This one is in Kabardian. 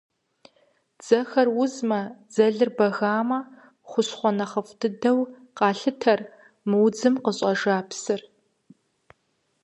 Дзэхэр узмэ, дзэлхэр бэгамэ – хущхъуэ нэхъыфӏ дыдэу къалъытэр мы удзым къыщӏэжа псыр.